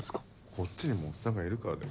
こっちにもおっさんがいるからだよ。